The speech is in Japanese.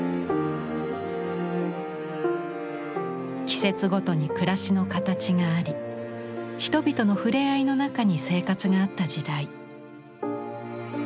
季節ごとに暮らしの形があり人々のふれあいの中に生活があった時代。